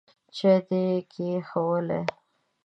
چای دي کښېښوولې ؟